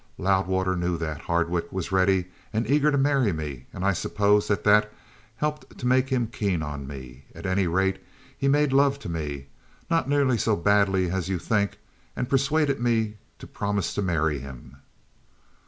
Loudwater knew that Hardwicke was ready and eager to marry me, and I suppose that that helped to make him keen on me. At any rate, he made love to me, not nearly so badly as you'd think, and persuaded me to promise to marry him."